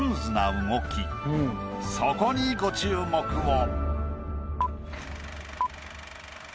そこにご注目を。